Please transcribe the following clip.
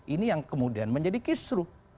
ini yang kemudian menjadi kisruh